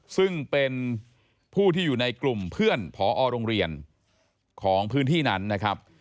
ซึ่งเป็นผู้ที่อยู่ในกลุ่มเพื่อนพอโรงเรียนของพื้นที่นั้นนะครับ